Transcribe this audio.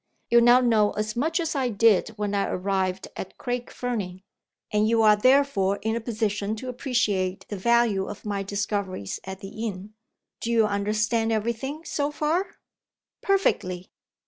You now know as much as I did when I arrived at Craig Fernie and you are, therefore, in a position to appreciate the value of my discoveries at the inn. Do you understand every thing, so far?" "Perfectly!"